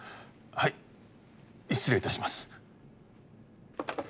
はい失礼いたします。